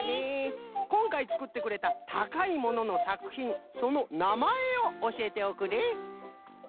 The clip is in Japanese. こんかいつくってくれた「たかいもの」のさくひんそのなまえをおしえておくれ。